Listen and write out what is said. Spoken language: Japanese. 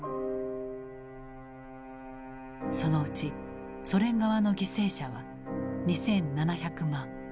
そのうちソ連側の犠牲者は２７００万。